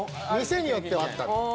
店によってはあったの。